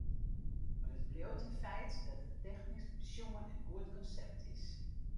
Mar it bliuwt in feit dat it technysk besjoen in goed konsept is.